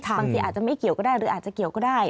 บางทีอาจจะไม่เกี่ยวก็ได้หรืออาจจะเกี่ยวก็ได้